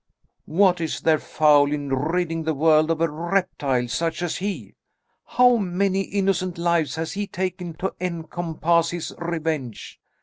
"What is there foul in ridding the world of a reptile such as he? How many innocent lives has he taken to encompass his revenge?